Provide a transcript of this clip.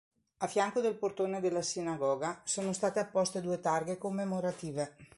A fianco del portone della sinagoga, sono state apposte due targhe commemorative.